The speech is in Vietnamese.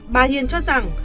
bà hiền cho rằng